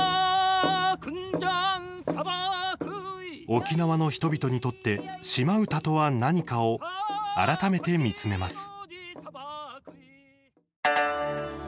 沖縄の人々にとって島唄とは何かを改めて見つめます。